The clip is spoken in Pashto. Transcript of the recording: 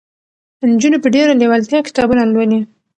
نجونې په ډېره لېوالتیا کتابونه لولي.